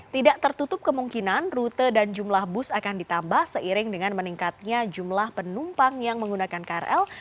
tidak tertutup kemungkinan rute dan jumlah bus akan ditambah seiring dengan meningkatnya jumlah penumpang yang menggunakan krl